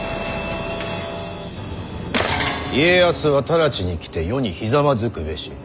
家康は直ちに来て余にひざまずくべし。